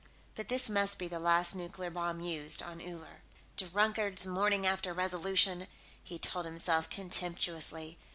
But this must be the last nuclear bomb used on Uller.... Drunkard's morning after resolution! he told himself contemptuously.